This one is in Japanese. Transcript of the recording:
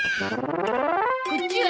こっちは？